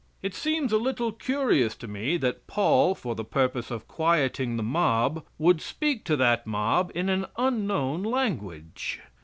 It seems a little curious to me that Paul for the purpose of quieting the mob, would speak to that mob in an unknown language.